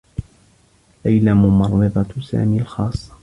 ليلى ممرّضة سامي الخاصّة.